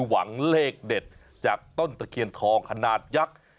หวังเลขเด็ดจากต้นตะเคียนทองขนาดยักษ์